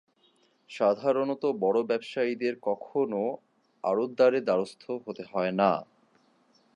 সাধারণত বড় ব্যবসায়ীদের কখনও আড়তদারের দ্বারস্থ হতে হয় না।